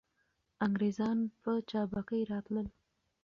انګریزان په چابکۍ راتلل.